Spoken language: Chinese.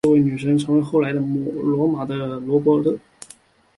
这位女神后来成为罗马的库柏勒。